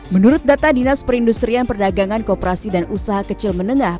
menurut data dinas perindustrian perdagangan kooperasi dan usaha kecil menengah